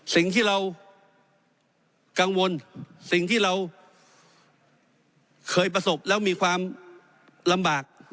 สิ่งที่เรากังวลสิ่งที่เราเคยประสบแล้วมีความลำบาก